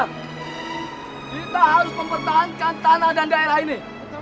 kita harus mempertahankan tanah dan daerah ini